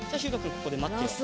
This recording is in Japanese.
ここでまってよう。